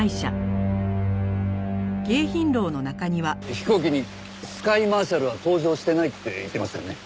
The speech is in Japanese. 飛行機にスカイマーシャルは搭乗してないって言ってましたよね？